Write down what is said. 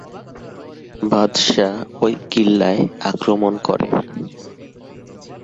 বাদশা ঐ কিল্লায় আক্রমণ করে।